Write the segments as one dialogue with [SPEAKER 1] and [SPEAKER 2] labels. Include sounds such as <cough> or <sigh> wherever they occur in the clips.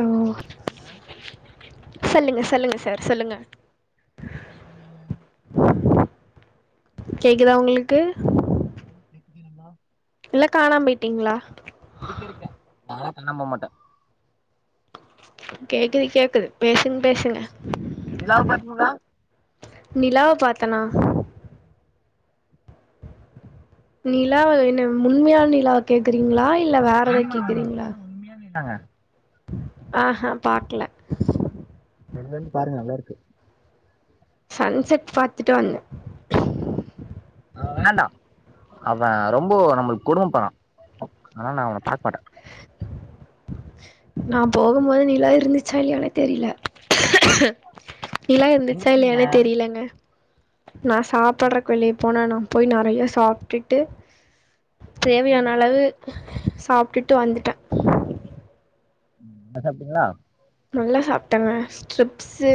[SPEAKER 1] ஓ சொல்லுங்க சொல்லுங்க சார் சொல்லுங்க
[SPEAKER 2] சாப்பிட்டீங்களா
[SPEAKER 1] கேக்குதா உங்களுக்கு
[SPEAKER 2] ஓ கேக்குதே நல்லா
[SPEAKER 1] இல்ல காணாம போயிட்டீங்ளா
[SPEAKER 2] இருக்க இருக்க நாலா காணாம் போ மாட்டே
[SPEAKER 1] கேக்குது கேக்குது பேசுங் பேசுங்க
[SPEAKER 2] நிலாவ பாத்திங்ளா
[SPEAKER 1] நிலாவ பாத்தனா நிலாவ என்ன உண்மையான நிலா கேக்குறீங்ளா இல்ல வேற எதோ கேக்றீங்ளா
[SPEAKER 2] உண்மையான நிலாங்க
[SPEAKER 1] ஆஹா பாக்ல
[SPEAKER 2] வெளில வந்து பாருங்க நல்லாருக்கு
[SPEAKER 1] சன் செட் பாத்துட்டு வந்தே
[SPEAKER 2] அவ வேண்டா அவ ரொம்ப நம்ளுக்கு கொடும பண்ணா அதனால நா அவன பாக்க மாட்டே
[SPEAKER 1] நா போகுபோது நிலா இருந்துச்சா இல்லயானே தெரில நிலா இருந்துச்சா இல்லையானே தெரிலங்க நா சாப்பட்றக்கு வெளிய போனா நா போய் நறைய சாப்டுட்டு தேவையான அளவு சாப்டுட்டு வந்துட்டே
[SPEAKER 2] ம் நல்லா சாப்டீங்ளா
[SPEAKER 1] நல்லா சாப்ட்டேங்க ஸ்ட்ரிப் சு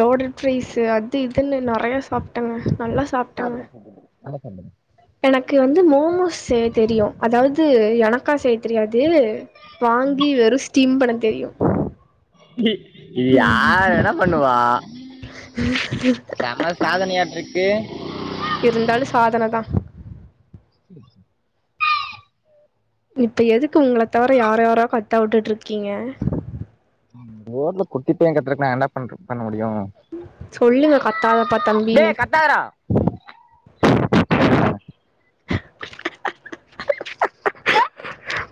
[SPEAKER 1] லோடேட் பிரைஸ்சு அது இதுன்னு நெறையா சாப்டேங்க நல்லா சாப்
[SPEAKER 2] <inaudible>
[SPEAKER 1] எனக்கு வந்து மோமோஸ் செய்ய தெரியு அதாவது எனக் க்கா செய்ய தெரியாது வாங்கி வெறும் ஸ்டீம் பண்ண தெரியு
[SPEAKER 2] இது யார் வேண்ணா பண்ணுவா செம சாதனையாட்டிர்க்கு
[SPEAKER 1] இருந்தாலு சாதனதா
[SPEAKER 2] <unintelligible>
[SPEAKER 1] இப்போ எதுக்கு உங்கள தவிர யார யாரோ கத்த விட்டுட்டு இருக்கீங்க
[SPEAKER 2] ரோட்ல குட்டிப்பைய கத்துரதுக்கு நா என்ன பண் பண்ண முடியு
[SPEAKER 1] சொல்லுங்க கத்தாதப்பா தம்பின்னு
[SPEAKER 2] சொல்லிட்டங்க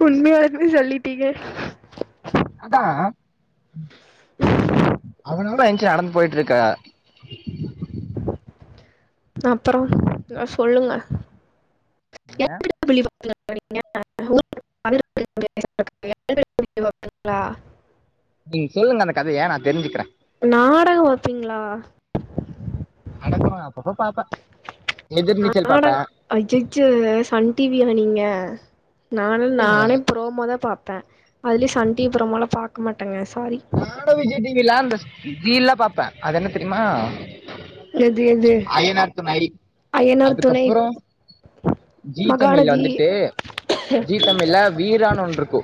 [SPEAKER 1] உண்மையாலுமே சொல்லிட்டிங்க
[SPEAKER 2] அதா அவனோட எங்க நடந்து போயிட்டு இருக்க
[SPEAKER 1] அப்புளோ எதா சொல்லுங்க
[SPEAKER 2] என்னங்க
[SPEAKER 1] <unintelligible>
[SPEAKER 2] நீங்க சொல்லுங்க அந்த கதைய நா தெரிஞ்சுக்கிறே
[SPEAKER 1] நாடக பாப்பீங்களா
[SPEAKER 2] நாடகோ அப்பப்ப பாப்பே எதிர்நீச்சல் பாப்பே
[SPEAKER 1] அஜச்ச சன் டிவியா நீங்க நானெல்லா
[SPEAKER 2] இல்லங்க
[SPEAKER 1] நானே புரோமோ தா பாப்பே அதுலயு சன் டிவி புரோமோல்லா பாக்க மாட்டேங்க சாரி
[SPEAKER 2] நானு விஜய் டிவிலா அந்த <unintelligible> பாப்பே அது என்ன தெரியுமா
[SPEAKER 1] எது எது
[SPEAKER 2] ஆய்யனார் துணை
[SPEAKER 1] அயனார் துணை,
[SPEAKER 2] அதுக்கப்புறோ ஜி தமிழ்ல
[SPEAKER 1] மகாநதி
[SPEAKER 2] வந்துட்டு ஜி தமிழ் வீரானு ஒன்ன இருக்கு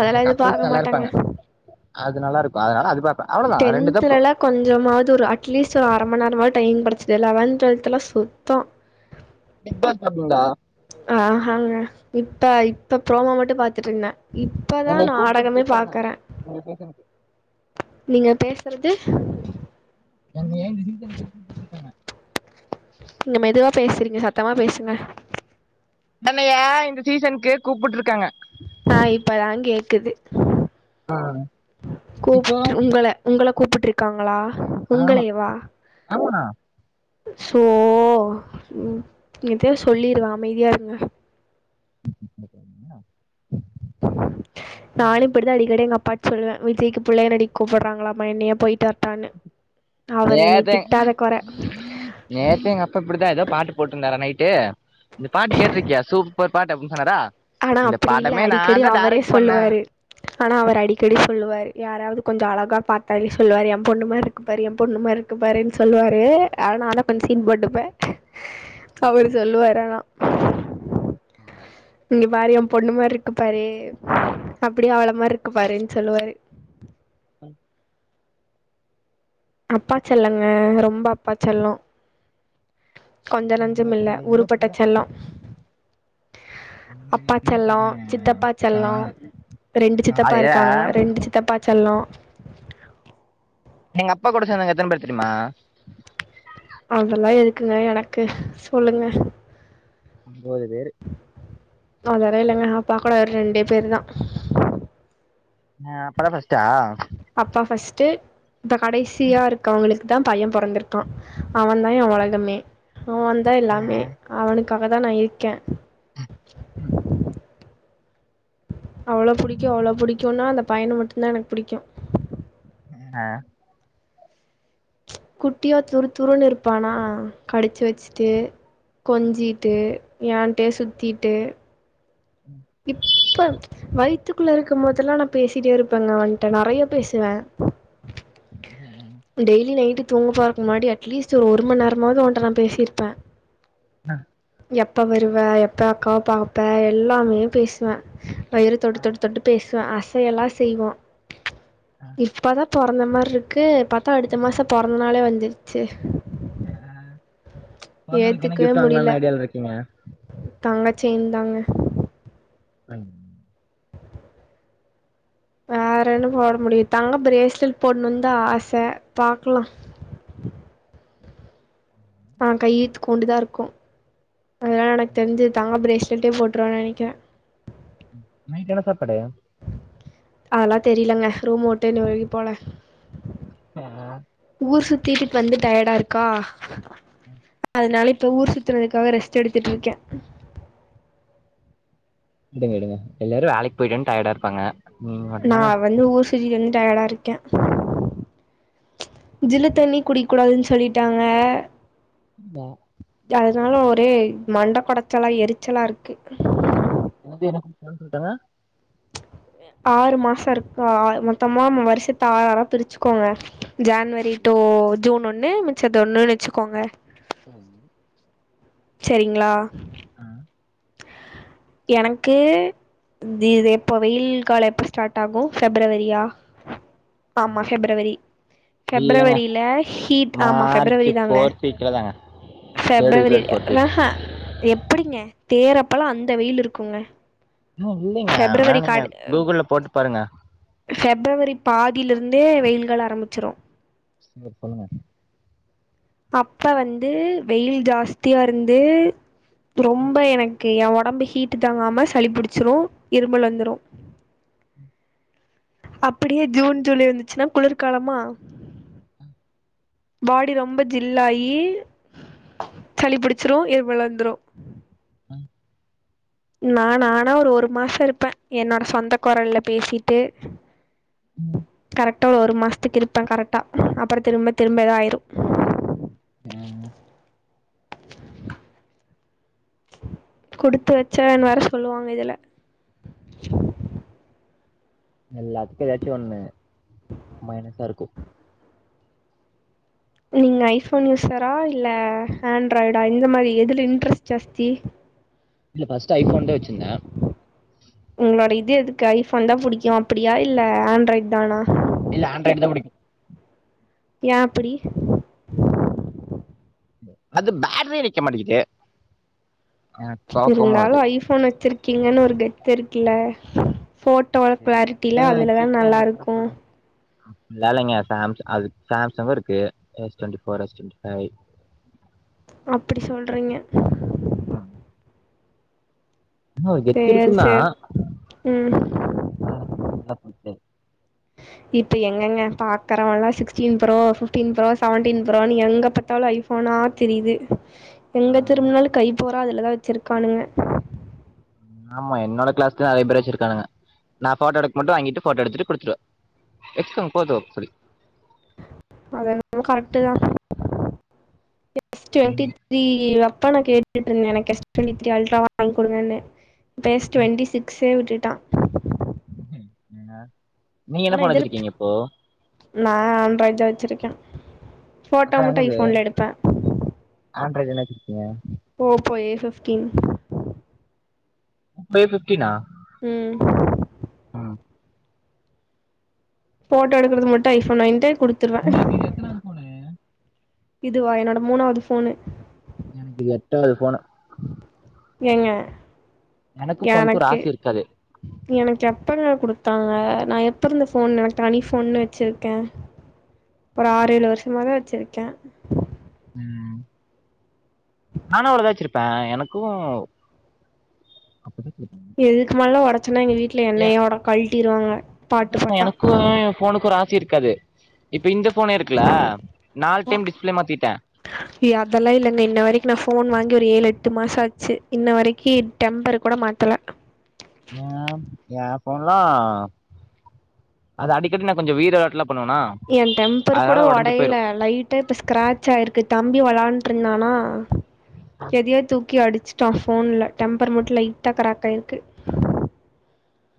[SPEAKER 2] அந்த
[SPEAKER 1] எது பாக்க
[SPEAKER 2] கப்பல்ஸ் நல்லா
[SPEAKER 1] மாட்டேங்க.
[SPEAKER 2] இருப்பாங்க அது நல்லா இருக்கு அதனால அது பா
[SPEAKER 1] டென்த்துலல்லா கொஞ்சமாவது ஒரு அட்லீஸ்ட் ஒரு அர மண் நேரமாது டைமிங் கெடச்சது லெவத் டுவெல்த் எல்லா சுத்தோ
[SPEAKER 2] பிக் பாஸ் பாப்பீங்களா
[SPEAKER 1] ஆஹாஹங்க இப்ப இப்ப புரோமா மட்டு பாத்துட்டு இருந்தே இப் இப்பதா
[SPEAKER 2] என்னை கூப்பிட்டு
[SPEAKER 1] நாடகமே
[SPEAKER 2] இருக்காங்க
[SPEAKER 1] பாக்கற
[SPEAKER 2] இந்த சீசனுக்கு
[SPEAKER 1] நீங்க பேசுறது
[SPEAKER 2] <inaudible>
[SPEAKER 1] நீங்க மெதுவா பேசுறீங்க சத்தமா பேசுங்க
[SPEAKER 2] நம்மய இந்த சீசனுக்கு கூப்புட்ருக்காங்க
[SPEAKER 1] ஆ இப்பதா கேக்குது
[SPEAKER 2] இப்போ
[SPEAKER 1] கூப்ட்டு உங்கல உங்கள கூப்பிட்டு இருக்காங்களா
[SPEAKER 2] ஆமா ஆமா
[SPEAKER 1] சோ எதோ சொல்லிருவ அமைதியா இருங்க
[SPEAKER 2] <inaudible>
[SPEAKER 1] நானு இப்டித்தா அடிக்கடி எங்க அப்பா சொல்வே விஜய்க்கு புள்ளையா நடிக்கு கூப்பிட்றாங்க என்னைய போயிட்டு வரட்டானு
[SPEAKER 2] நேத்து நேத்த எங்க அப்ப இப்டிதா ஏதோ பாட்டு போட்டிருந்தாரா நைட்டு இந்த பாட்டு கேட்டிருக்கியா சூப்பர் பாட்டு அப்டினு சொன்னாரா
[SPEAKER 1] ஆனா
[SPEAKER 2] இந்த
[SPEAKER 1] அப்டி இல்ல
[SPEAKER 2] படமே
[SPEAKER 1] அடிக்கடி
[SPEAKER 2] நான் தான்
[SPEAKER 1] அவரே
[SPEAKER 2] டைரக்ட் பண்ணேன்
[SPEAKER 1] சொல்லுவாரு ஆனா அவர் அடிக்கடி சொல்லுவார் யாராவது கொஞ்சு அழகா பாத்தாலே சொல்லுவாரு எ பொண்ணுமா இரு இப்பாரு பொண்ணுமா இருக்கு பாருனு சொல்லுவாரு ஆனால கொஞ்சு சீன் போட்டுப்பே அவரு சொல்லுவாரு ஆனா இங்க பாரு எ பொண்ணு மாரி இருக்கு பாரு அப்டியே அவள மாரி இருக்கு பாருன்னு சொல்லுவாரு
[SPEAKER 2] ம்
[SPEAKER 1] அப்பாச் செல்லங்க ரொம்போ அப்பா செல்லோ கொஞ்சோ நஞ்சம் இல்ல ஊரு பட்ட
[SPEAKER 2] அப்படிதான்
[SPEAKER 1] செல்லோ
[SPEAKER 2] எங்க வீட்லியு
[SPEAKER 1] செல்லம்
[SPEAKER 2] அப்டிதாங்க
[SPEAKER 1] சித்தப்பா
[SPEAKER 2] தா
[SPEAKER 1] செல்லம் ரெண்டு சித்தப்பா இருக்காங்க ரெண்டு சித்தப்பா செல்லோ
[SPEAKER 2] எங்க அப்பா கூட சேந்தவங்க எத்தன பேர் தெரிமா
[SPEAKER 1] அதெல்லா எதுக்குங்க எனக்கு சொல்லுங்க
[SPEAKER 2] போரது
[SPEAKER 1] அதெல்லா இல்லங்க அப்பா கூட ஒரு ரெண்டே பேரு தா
[SPEAKER 2] ஆ அப்பாதா ஃபஸ்ட்டா
[SPEAKER 1] அப்பா ஃபஸ்ட்டு இப்ப கடைசியா இருக்கவங்களுக்கு தா பைய பொறந்ருக்கா அவேந்தா ஏ ஒலகமே அவேந்தா எல்லாமே
[SPEAKER 2] ஆ
[SPEAKER 1] அவனுக்காகதா நா இருக்கே
[SPEAKER 2] ம்
[SPEAKER 1] அவ்ளோ புடிக்கு அவ்ளோ புடிக்குன்னா அந்த பையன மட்டுதா எனக்கு புடிக்கு
[SPEAKER 2] அ
[SPEAKER 1] குட்டியா துரு துருனு இருப்பானா கடிச்சி வச்சிட்டு கொஞ்சிட்டு ஏன்ட்டேயே சுத்திட்டு
[SPEAKER 2] ம்
[SPEAKER 1] இப்ப ம்ச் வயித்துக்குள்ள இருக்கு போதெல்லா நா பேசிட்டே இருப்பேங்க அவன்ட நறய பேசுவே
[SPEAKER 2] ம் ம்
[SPEAKER 1] டெய்லி நைட்டு தூங்க போறக்கு முன்னாடி அட்லிஸ்டு ஒருமணி நேரமாது அவன்ட நா பேசிருப்பே
[SPEAKER 2] ஆ
[SPEAKER 1] எப்போ வருவ எப்போ அக்காவ பாப்ப எல்லாமே பேசுவே வயிற தொட்டு தொட்டு தொட்டு பேசுவே அசையலா செய்வா
[SPEAKER 2] ஆ
[SPEAKER 1] இப்பதா பொறந்த மாரி இருக்கு பாத்தா அடுத்த மாசோ பொறந்தனாலே வந்திரிச்சி
[SPEAKER 2] ஆ பொறந்த நாளைக்கு என்ன
[SPEAKER 1] ஏத்துக்கவே
[SPEAKER 2] கிஃப்ட்
[SPEAKER 1] முடியல
[SPEAKER 2] வாங்கலானு ஐடியாவ்ல இருக்கீங்க
[SPEAKER 1] தங்க ஜெயின் தாங்க
[SPEAKER 2] ம்
[SPEAKER 1] வேற என்ன போட முடியு தங்க பிரேஸ்லிட் போட்ணுந்தா ஆச பாக்கலா அவே கையே இத்கூண்டு தா இருக்கு அதா எனக் தெரிஞ்சி தங்க பிரேஸ்லிட்டே போட்ருவே நெனைக்கிறே
[SPEAKER 2] நைட் என்ன சாப்பாடு
[SPEAKER 1] அதலா தெரியலங்க ரூம் ஊட்டே இன்னு வெளியில போல
[SPEAKER 2] ஆ
[SPEAKER 1] ஊர் சுத்திட்டு வந்து டயடா இருக்கா
[SPEAKER 2] ம்
[SPEAKER 1] அதனால இப்ப ஊர் சுத்தறதுக்காக ரெஸ்ட் எடுத்துட்ருக்கே
[SPEAKER 2] எடுங்க எடுங்க எல்லாரு வேலைக் போயிட்டு வந்து டயடா இருப்பாங்க நீங்க
[SPEAKER 1] நா
[SPEAKER 2] மட்டும்தாங்க
[SPEAKER 1] வந்து ஊர் சுத்திட்டு வந்து டயடா இருக்கே ஜில்லு தண்ணி குடிக்கூடாதுன்னு சொல்லிட்டாங்க
[SPEAKER 2] வா
[SPEAKER 1] அதனால ஒரே மண்ட கொடச்சலா எரிச்சலா இருக்கு
[SPEAKER 2] கொழந்தய <inaudible> சொல்ட்டாங்க
[SPEAKER 1] இப்ப ஆறு மாசோ இருக்கா மொத்தமா வருஷத்த ஆறு ஆனா பிரிச்சுக்கோங்க ஜன்வரி டூ ஜூன் ஒன்னு மிச்சது ஒன்னுனூ வெச்சுகோங்க
[SPEAKER 2] ம்
[SPEAKER 1] செரிங்ளா
[SPEAKER 2] அ
[SPEAKER 1] எனக்கு இந்த இது எப்போ வெயில் காலோ எப்போ ஸ்டார்ட் ஆகு ஃபிப்ரவரியா ஆமா ஃபிப்ரவரி
[SPEAKER 2] இல்லங்க
[SPEAKER 1] ஃபிப்ரவரில ஹீட் ஆமா
[SPEAKER 2] மார்ச்
[SPEAKER 1] ஃபிப்ரவரிதாங்க
[SPEAKER 2] ஃபோர்த் வீக்ல தாங்க தேர்ட்
[SPEAKER 1] ஃபிப்ரவரி
[SPEAKER 2] வீக்ல ஃபோர்த் வீக்
[SPEAKER 1] எப்டிங்க தேரப்பல்லா அந்த வெயில் இருக்குங்க
[SPEAKER 2] ஆ இல்லைங்க வேணா
[SPEAKER 1] ஃபெப்ரவரி
[SPEAKER 2] நீங்க கூகுள்ள போட்டு பாருங்க
[SPEAKER 1] ஃபிப்ரவரி பாதிலிருந்தே வெயில்கள் ஆரம்பிச்சிரு
[SPEAKER 2] சீக்கிரோ சொல்லுங்க
[SPEAKER 1] அப்ப வந்து வெயில் ஜாஸ்தியா இருந்து ரொம்ப எனக்கு என் ஓடம்பு ஹீட் தாங்காம சளி புடிச்சிரு இருமல் வந்துரு அப்டியே ஜூன், ஜூலை வந்துச்சுனா குளிர்காலமா பாடி ரொம்ப ஜில் ஆயி சளி புடிச்சிரு இருமல் வந்துரு
[SPEAKER 2] ம்
[SPEAKER 1] நான் ஆனா ஒரு ஒரு மாசோ இருப்பன் என்னோட சொந்த குரல்ல பேசிட்டு
[SPEAKER 2] ம்
[SPEAKER 1] கரெக்டா ஒரு மாசத்துக்கு இருப்ப கரெக்ட்டா அப்றோ திரும்ப திரும்ப எதா ஆயிரு
[SPEAKER 2] ம்
[SPEAKER 1] குடுத்து வெச்சவன்னு வேற சொல்வாங்க இதுல
[SPEAKER 2] எல்லாத்துக்கு எதாச்சு ஒண்ணு மைனஸா இருக்கு
[SPEAKER 1] நீங்க ஐஃபோன் யூசரா இல்ல ஹண்ட்ராய்டா இந்த மாரி எதுல இன்ட்ரெஸ்ட் ஜாஸ்தி
[SPEAKER 2] இல்ல ஃபர்ஸ்ட் ஐபோன்த வெச்சிருந்த
[SPEAKER 1] உங்களோட இது எதுக்கு ஐபோன்தா புடிக்கு அப்டியா இல்ல ஆண்ட்ராய்டுதானா
[SPEAKER 2] இல்ல ஆண்ட்ராய்டுதா புடிக்கு
[SPEAKER 1] ஏன் அப்டி?
[SPEAKER 2] அது பேட்ரியே நிக்கமாட்டிகுது வருது
[SPEAKER 1] இருந்தாலு ஐபோன் வெச்சிருக்கீங்கன்னு ஒரு கெத்து இருக்கல்ல ஃபோட்டோல க்ளரிட்டியெல்லா அதுலதா நல்லாருக்கு
[SPEAKER 2] இல்ல இலைங்க சாம் அது சாம்சங்கு இருக்கு S twenty four S twenty five
[SPEAKER 1] அப்டி சொல்றீங்க
[SPEAKER 2] அ ஆனா ஒரு கெத்து
[SPEAKER 1] சேரி
[SPEAKER 2] இருக்குந்தா
[SPEAKER 1] சேரி ம்
[SPEAKER 2] அதெல்லா பண்ண முடியாது எல்லா <unintelligible>
[SPEAKER 1] இப்ப எங்கங்க பாக்கறவன்ல்லா sixteen pro fifteen pro seventeen pro எங்க பத்தாலு ஐ ஃபோனா தெரிது எங்க திரும்பனாலு கை பூறா அதுலதா வெச்சிருக்கானுக
[SPEAKER 2] ஆமா என்னோட கிளாஸ்ல நெறையா பேர் வெச்சிருக்கானுக நா போட்டோ எடுக்கமட்டு வாங்கிட்டு ஃபோட்டோ எடுத்துட்டு குடுத்துருவ எக்ஸாம் போது அப்டி
[SPEAKER 1] அது என்னமோ கரெக்டதா <unintelligible> அப்பன கே கேட்டுட்டு இருந்தே எனக்கு எஸ்ட் டுவெண்ட்டி த்ரீ அல்ட்ரா வாங்கி கொடுங்கன்னு ஃபேஸ் டுவெண்ட்டி சிக்ஸே விட்டுட்டா
[SPEAKER 2] இ நீங்க என்ன ஃபோன் வச்சிருக்கீங்க இப்போ
[SPEAKER 1] நா அண்ராய்டு தா வச்சுருக்கே
[SPEAKER 2] அதா என்னது அண்ராய்டு தான வச்சிருக்கிங்க
[SPEAKER 1] ஓ போய் எ ஃபிப்டி
[SPEAKER 2] இப்பயே ஃபிப்டினா
[SPEAKER 1] ம்
[SPEAKER 2] ம்
[SPEAKER 1] போட்டோ எடுக்குறதுக்கு மட்டு ஐ ஃபோன் வாங்கிட்டு குடுத்
[SPEAKER 2] உங்களுக்கு இது எத்தனாது ஃபோணு
[SPEAKER 1] இதுவா என்னோட மூணாவது ஃபோனு
[SPEAKER 2] எனக்கு இது எட்டாவது ஃபோனு
[SPEAKER 1] யேங்க
[SPEAKER 2] ஃபோனுக்கு
[SPEAKER 1] எனக்கு
[SPEAKER 2] ராசி இருக்காது
[SPEAKER 1] எனக்கு எப்பன கொடுத்தாங்க நா எப்போ இருந்து ஃபோன் எனக்கு தனி ஃபோன்னு வச்சுருக்கே ஒரு ஆறு ஏழு வருஷமா தா வச்சிருக்கே
[SPEAKER 2] ம் நானு அவ்ளோதா வச்சிருப்பே எனக்கு
[SPEAKER 1] இதுக்கு மேல்ல ஒடச்சன்னா எங்க வீட்ல என்னயோட கழ்ட்டிருவாங்க
[SPEAKER 2] அதாங்க எனக்கு ஏ போனுக்கு ராசி இருக்காது இப்போ இந்த ஃபோனுருக்குல நாலு டைம் டிஸ்பிளே மாத்திட்டே
[SPEAKER 1] ஏ அதெல்லா இல்லங்க இன்ன வரைக்கி நா ஃபோன் வாங்கி ஒரு ஏழு எட்டு மாசோ ஆச்சு இன்ன வரைக்கி டெம்பரு கூட மாத்தல
[SPEAKER 2] ஆ ஏ ஃபோன்லா அது அடிக்கடி நா கொஞ்ச வீரவெளாட்லா பண்ணுவனா
[SPEAKER 1] ஏ டெம்பர் கூட
[SPEAKER 2] அதனால ஒடஞ்சு
[SPEAKER 1] ஒடையல
[SPEAKER 2] போயிரு
[SPEAKER 1] லைட் டா இப்ப ஸ்கிராச்ணாயிருக்கு தம்பி வளாண்ட்ருந்தானா எதயோ தூக்கி அடிச்சு டா ஃபோன்ல டெம்பர் மட்டு லட்டா க்ராக்காய்ருக்கு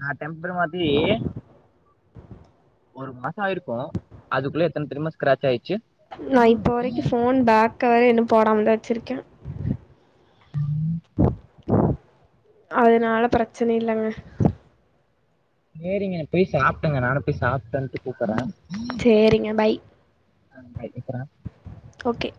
[SPEAKER 2] நா டெம்பர் மாத்தீ ஒரு மாசோ ஆயிருக்கு அதுக்குள்ள எத்தன தெரிமா ஸ்கிராச்சாயிடுச்சு
[SPEAKER 1] நா இப்போ வரைக்கு போன் பேக் கவற இன்னு போடாமதா வச்சிருக்கே அதனால பிரச்சன இல்லங்க
[SPEAKER 2] சேரிங்க போய் சாப்ட்டுங்க நானு போய் சாப்ட்டு வந்துட்டு கூப்புறே
[SPEAKER 1] சேரிங்க பாய்
[SPEAKER 2] க்குற <unintelligible>
[SPEAKER 1] ஓகே